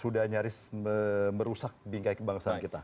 sudah nyaris merusak bingkai kebangsaan kita